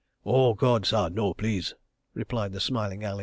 "Oh, God, sah, no, please," replied the smiling Ali.